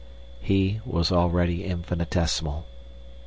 He was already infinitesimal.